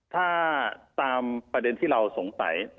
ถ้าตามประเด็นที่เราสงสัย